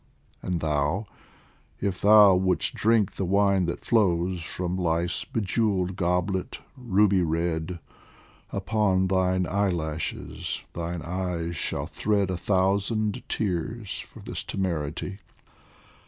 And thou, if thou would'st drink the wine that flows From Life's bejewelled goblet, ruby red, Upon thine eyelashes thine eyes shall thread A thousand tears for this temerity.